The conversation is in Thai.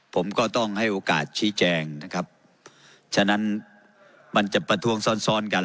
ผมก็ต้องให้โอกาสชี้แจงนะครับฉะนั้นมันจะประท้วงซ้อนซ้อนซ้อนกัน